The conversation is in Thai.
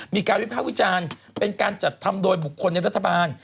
วิภาควิจารณ์เป็นการจัดทำโดยบุคคลในรัฐบาล